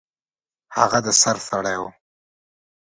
هغه د سر سړی و.